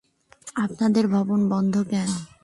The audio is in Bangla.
আপনাদের ভবন বন্ধ কেন?